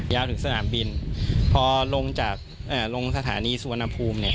ยาวถึงสถานบินพอลงจากเอ่อลงสถานีสวนภูมิเนี่ย